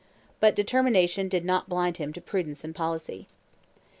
But determination did not blind him to prudence and policy.